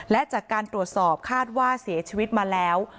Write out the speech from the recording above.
และจากการตรวจสอบคาดว่าเสียชีวิตมาแล้ว